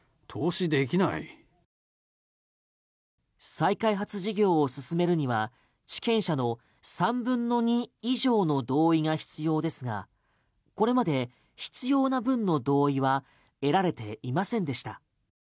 再開発事業を進めるには地権者の３分の２以上の同意が必要ですがこれまで必要な分の同意は得られていませんでした。